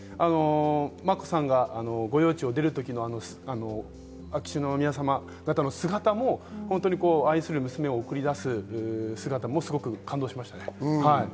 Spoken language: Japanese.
眞子さんが御用地を出る時の秋篠宮さまの姿も、愛する娘を送り出す姿もすごく感動しましたね。